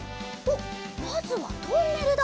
まずはトンネルだ。